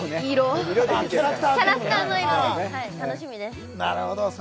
キャラクターの色、楽しみです。